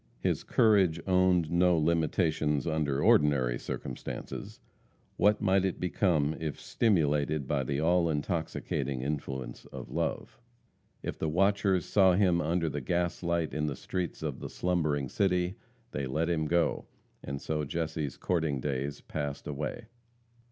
His courage owned no limitations under ordinary circumstances. What might it become if stimulated by the all intoxicating influence of love? If the watchers saw him under the gaslight in the streets of the slumbering city, they let him go, and so Jesse's courting days passed away.